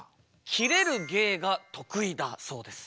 キレる芸が得意だそうです。